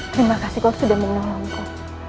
terima kasih kau sudah mengolongku